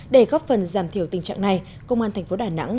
để góp phần giảm thiểu tình trạng này công an thành phố đà nẵng